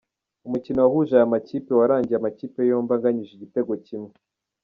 Umukino wahuje aya makipe warangiye amakipe yombi anganyije igitego kimwe.